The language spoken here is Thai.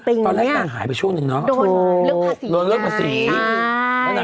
เอาไล้แล้วอะไรหายไปช่วงหนึ่งเนาะ